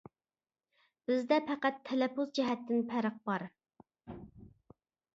بىزدە پەقەت تەلەپپۇز جەھەتتىن پەرق بار.